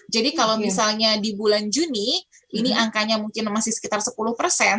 jadi kalau misalnya di bulan juni ini angkanya mungkin masih sekitar sepuluh persen